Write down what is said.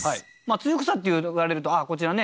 露草っていわれるとこちらね